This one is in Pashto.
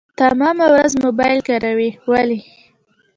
تمامه ورځ موبايل کاروي ولي .